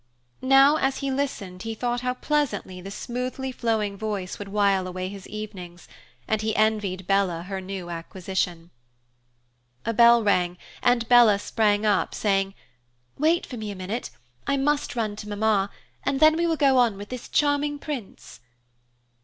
Now as he listened, he thought how pleasantly the smoothly flowing voice would wile away his evenings, and he envied Bella her new acquisition. A bell rang, and Bella sprang up, saying, "Wait for me a minute. I must run to Mamma, and then we will go on with this charming prince."